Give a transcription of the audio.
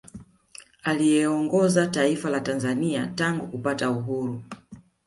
Aliyeliongoza taifa la Tanzania tangu kupata uhuru